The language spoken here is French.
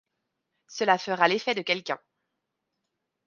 Cela fera l’effet de quelqu’un.